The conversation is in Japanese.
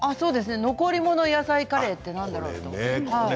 残り物野菜カレーって何だろう。